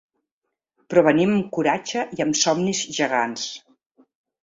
Però venim amb coratge i amb somnis gegants.